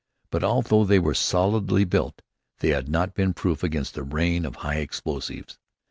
But although they were solidly built they had not been proof against the rain of high explosives.